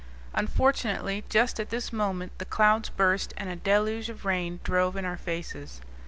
Unfortunately, just at this moment the clouds burst and a deluge of rain drove in our faces.